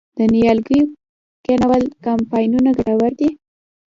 د نیالګیو کینول کمپاینونه ګټور دي؟